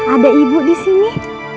ada ibu disini